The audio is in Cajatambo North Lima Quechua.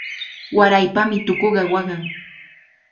Waraypami tukuqa waqan.